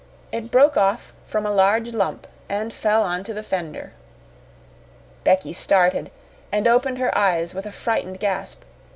It broke off from a large lump and fell on to the fender. Becky started, and opened her eyes with a frightened gasp.